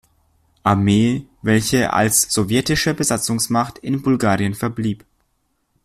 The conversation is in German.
Armee, welche als sowjetische Besatzungsmacht in Bulgarien verblieb.